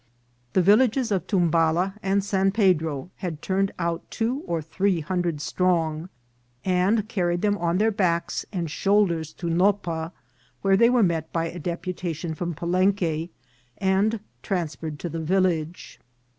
The villages of Tumbala and San* Pedro had turned out two or three hundred strong, and carried them on their backs and shoulders to Nopa, where they were met by a deputa tion from Palenque, and transferred to the village.